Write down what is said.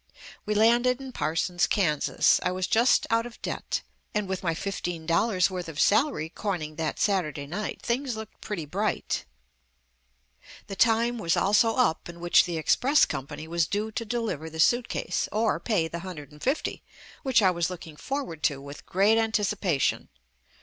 We landed in Par sons, Kansas. I was just out of debt, and with my fifteen dollars' worth of salary coining that Saturday night, things looked pretty bright. The time was also up in which the express company was due to deliver the suitcase or pay the hundred and fifty, which I was looking for ward to with great anticipation.